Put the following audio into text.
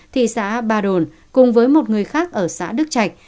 thị xã ba đồn cùng với một người khác ở xã đức trạch